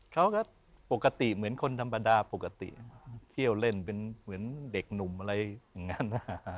เขาก็ปกติเหมือนคนธรรมดาปกติเที่ยวเล่นเป็นเหมือนเด็กหนุ่มอะไรอย่างนั้น